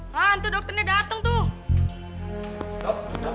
mas starchu ada ada